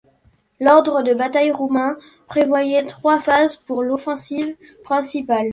L'ordre de bataille roumain prévoyait trois phases pour l'offensive principale.